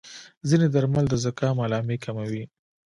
ځینې درمل د زکام علامې کموي.